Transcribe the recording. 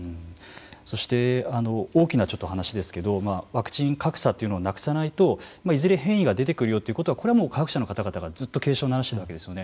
そして、大きな話ですけれどもワクチン格差というのをなくさないといずれ変異が出てくるよということはこれはもう科学者の方々がずっと警鐘を鳴らしていたわけですよね。